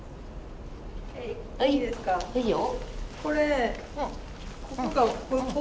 いいよ。